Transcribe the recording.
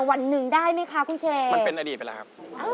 วันหนึ่งได้ไหมคะคุณเชนมันเป็นอดีตไปแล้วครับ